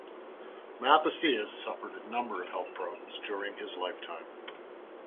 Mathesius suffered a number of health problems during his lifetime.